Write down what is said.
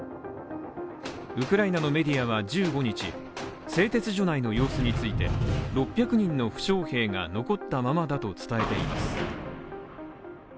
ウクライナのメディアは１５日、製鉄所内の様子について、６００人の負傷兵が残ったままだと伝えています。